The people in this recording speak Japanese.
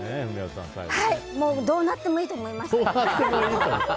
もうどうなってもいいと思いました。